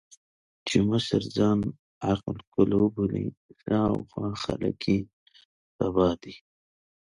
چې مشر ځان عقل کُل وبولي، شا او خوا خلګ يې تباه دي.